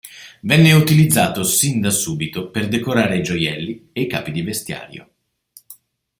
Venne utilizzato sin da subito per decorare gioielli e capi di vestiario.